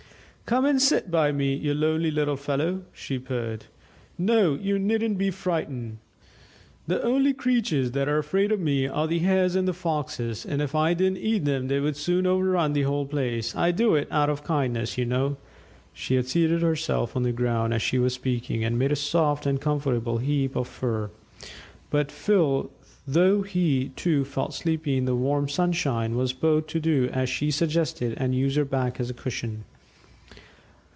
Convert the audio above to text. "Come and sit by me, you lonely little fellow," she purred. "No you needn't be frightened. ('I wasn't,' said Phil.) The only creatures that are afraid of me are the Hares and Foxes, and if I didn't eat them they would soon overrun the whole place; I do it out of kindness, you know." She had seated herself on the ground as she was speaking, and made a soft and comfortable heap of fur. But Phil, though he, too, felt sleepy in the warm sunshine, was both to do as she suggested and use her back as a cushion.